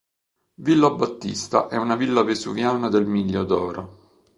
Villa Battista è una villa vesuviana del Miglio d'Oro.